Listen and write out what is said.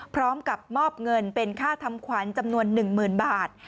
พร้อมกับมอบเงินเป็นค่าทำขวัญจำนวน๑๐๐๐บาท